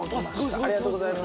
ありがとうございます。